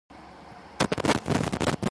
It is located in Norwich, Connecticut.